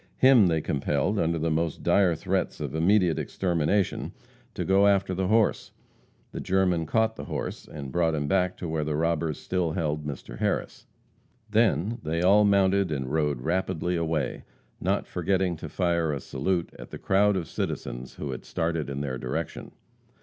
Him they compelled, under the most dire threats of immediate extermination, to go after the horse. The German caught the horse and brought him back to where the robbers still held Mr. Harris. Then they all mounted and rode rapidly away, not forgetting to fire a salute at the crowd of citizens who had started in their direction.